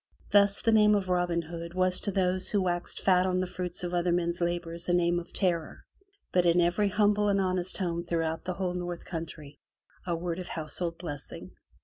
Thus the name of Robin Hood was to those who waxed fat on the fruits of other men's labors a name of terror, but in every humble and honest home throughout the whole North Country a word of household blessing.